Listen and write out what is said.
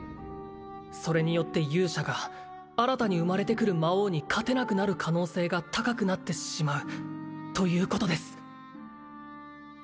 それによって勇者が新たに生まれてくる魔王に勝てなくなる可能性が高くなってしまうということです